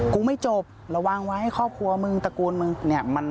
ไม่จบระวังไว้ให้ครอบครัวมึงตระกูลมึงเนี่ย